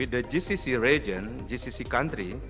dengan kawasan gcc kawasan gcc